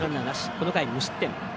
この回、無失点。